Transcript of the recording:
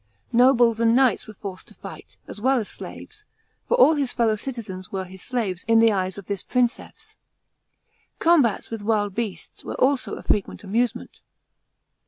Nobles and knights were forced to fight, as well as slaves ; for all his fellow citizens were his slaves in the eyes of this Princeps. Combats with wild beasts were also a frequent amusement.